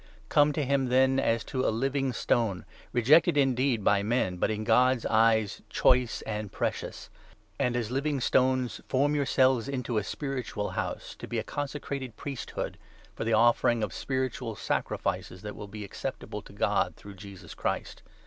Come to Him, then, as to 4 :ration. a jjvjng. stone( rejected, indeed, by men, but in God's eyes choice and precious ; and, as living stones, form 5 yourselves into a spiritual House, to be a consecrated Priest hood, for the offering of spiritual sacrifices that will be acceptable to God through Jesus Christ.